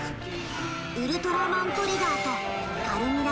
ウルトラマントリガーとカルミラ